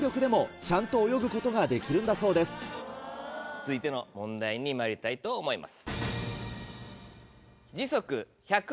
続いての問題にまいりたいと思います。